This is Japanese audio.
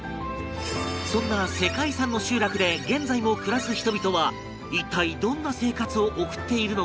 そんな世界遺産の集落で現在も暮らす人々は一体どんな生活を送っているのか？